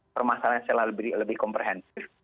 permasalahan yang selalu lebih komprehensif